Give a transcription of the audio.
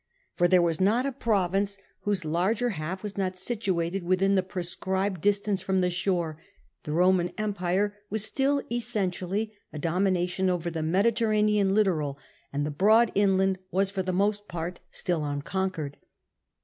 For there was not a province whose larger half was not situated within the prescribed distance from the shore : the fioman empire was still essentially a domination over the Mediterranean littoral, and the broad inland was for the most part still unconquered.